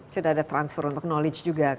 sudah ada transfer untuk knowledge juga